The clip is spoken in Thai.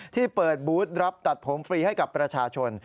ที่เปิดบูธรับตัดผมฟรีให้กับประชาชน